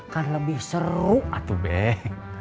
kan lebih seru atubeh